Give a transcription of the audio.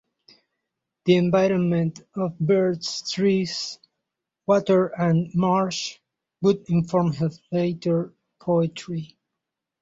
The environment of birds, trees, water and marsh would inform her later poetry.